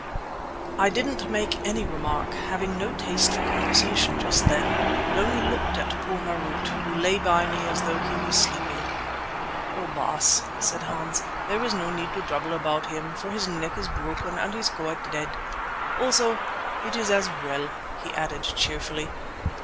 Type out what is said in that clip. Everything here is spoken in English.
I didn't make any remark, having no taste for conversation just then, but only looked at poor Marût, who lay by me as though he was sleeping. "Oh, Baas," said Hans, "there is no need to trouble about him, for his neck is broken and he's quite dead. Also it is as well," he added cheerfully.